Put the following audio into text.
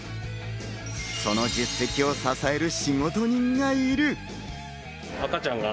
その実績を支える仕事人がいる。